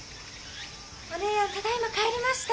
・お姉やんただいま帰りました。